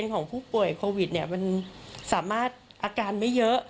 ของผู้ป่วยโควิดเนี่ยมันสามารถอาการไม่เยอะ